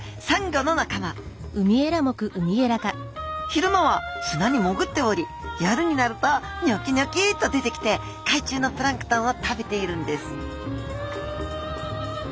昼間は砂にもぐっており夜になるとニョキニョキッと出てきて海中のプランクトンを食べているんです